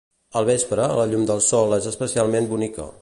Al vespre, la llum del sol és especialment bonica.